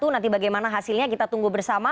nanti bagaimana hasilnya kita tunggu bersama